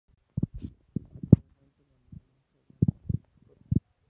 Más adelante, Ramona rompe con Scott.